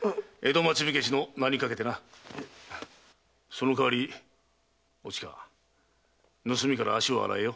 その代わりおちか盗みから足を洗えよ。